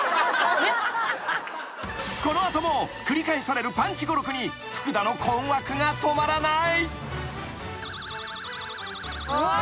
［この後も繰り返されるパンチ語録に福田の困惑が止まらない］